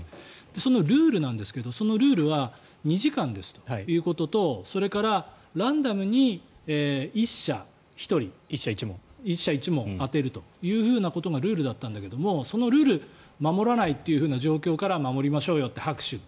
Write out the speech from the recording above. そのルールなんですけどそのルールは２時間ですということとそれからランダムに１社１問当てるということがルールだったんだけどそのルール守らないという状況から守りましょうよって拍手。